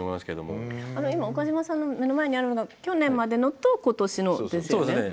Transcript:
今岡島さんの目の前にあるのが去年までのと今年のですよね。